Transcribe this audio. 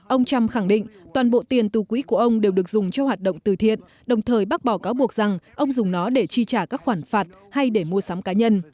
ông trump khẳng định toàn bộ tiền tù quỹ của ông đều được dùng cho hoạt động từ thiện đồng thời bác bỏ cáo buộc rằng ông dùng nó để chi trả các khoản phạt hay để mua sắm cá nhân